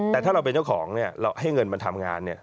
แต่ถ้าเราเป็นเจ้าของเนี่ยเราให้เงินมาทำงาน